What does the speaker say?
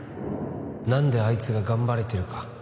何であいつが頑張れてるか